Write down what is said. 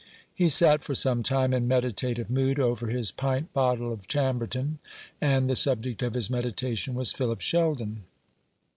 He sat for some time in meditative mood over his pint bottle of Chambertin, and the subject of his meditation was Philip Sheldon.